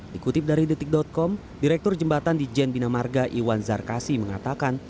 dikutip dari detik com direktur jembatan di jen binamarga iwan zarkasi mengatakan